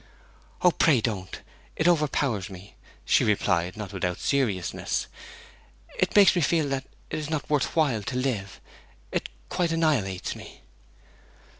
'Oh, pray don't; it overpowers me!' she replied, not without seriousness. 'It makes me feel that it is not worth while to live; it quite annihilates me.'